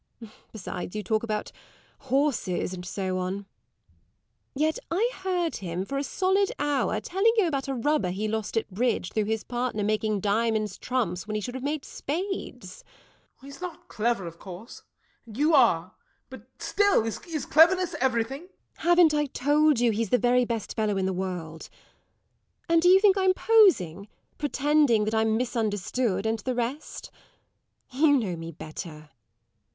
Besides, you talk about horses, and so on. And yet I heard him, for a solid hour, telling you about a rubber he lost at bridge through his partner making diamonds trumps when he should have made spades. SIR GEOFFREY. He's not clever, of course and you are. But still! Is cleverness everything? LADY TORMINSTER. Haven't I told you he's the very best fellow in all the world? And do you think I'm posing, pretending that I'm misunderstood, and the rest? You know me better.